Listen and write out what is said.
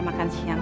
jadi lu sekarang